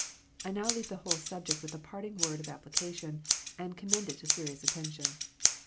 I now leave the whole subject with a parting word of application, and commend it to serious attention.